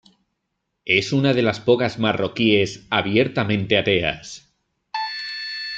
Es una de las pocas marroquíes abiertamente ateas.